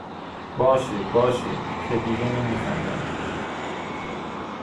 باشه باشه که دیگه نمیخندم